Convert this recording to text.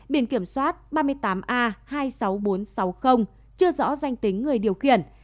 biển kiểm soát ba mươi tám a hai mươi sáu nghìn bốn trăm sáu mươi chưa rõ danh tính người điều khiển